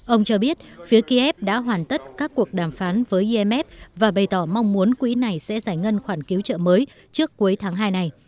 ông cho biết phía kiev đã hoàn tất các cuộc đàm phán với imf và bày tỏ mong muốn quỹ này sẽ giải ngân khoản cứu trợ mới trước cuối tháng hai này